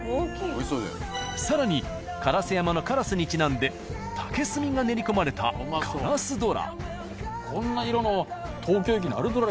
更に烏山の「烏」にちなんで竹炭が練り込まれたカラスどら。